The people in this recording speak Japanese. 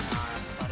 あれ？